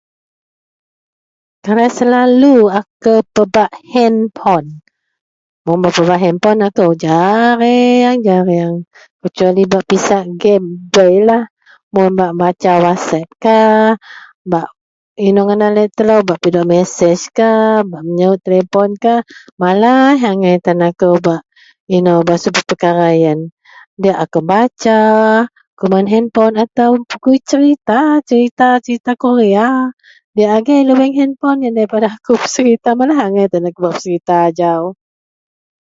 kalai selalu akou pebak handpon, mun bak pebak handpon aku jarannng-jarang kecuali bak pisak game beilah mun bak membaca whatsapkah, bak inou ngadan laie telou bak pidok mesejkah, bah meyahut teleponkah, malaaih agai tan akou inou bak subet pekara ien, diak akou baca kuman handpon atau pegui serita-serita, serita korea diak agei lubeang handpon ien daripada akou berserita, malaih agai tan akou berserita ajau